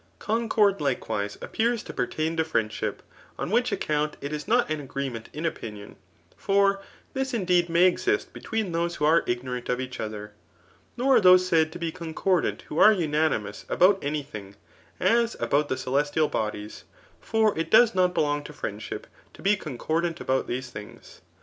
Concord likewise appears to pertain to Iriendsbip ; on which account, it is not an agretiMm in opi«i<m ; for this indeed may exist between those who are ignorant of each other. Nor are those said to be concordant who are unanimous about any things aa about the celestial bodies ; for it does not belong to friendship to be con cordant about these things.